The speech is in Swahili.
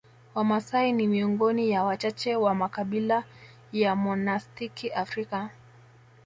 Wamasai ni miongoni ya wachache wa makabila ya Monastiki Afrika